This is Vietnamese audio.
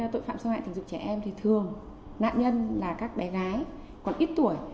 tội phạm xâm hại tình dục trẻ em thì thường nạn nhân là các bé gái còn ít tuổi